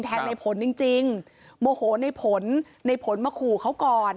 แท็กในผลจริงโมโหในผลในผลมาขู่เขาก่อน